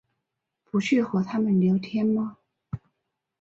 不去和他们聊天吗？